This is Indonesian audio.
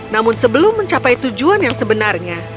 namun sebelum mencapai tujuan yang sebenarnya